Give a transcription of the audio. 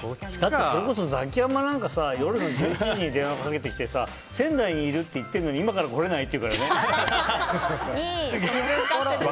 それこそザキヤマなんかさ夜の１１時に電話かけてきて仙台にいるって言ってるのに今から来れない？って言うからね。